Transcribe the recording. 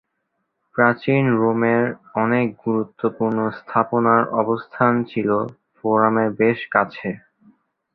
প্রাচীন রোমের অনেক গুরুত্বপূর্ণ স্থাপনার অবস্থান ছিল ফোরামের বেশ কাছে।